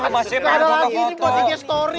masih ada lagi nih buat ig story